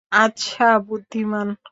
আচ্ছা, বুদ্ধিমান।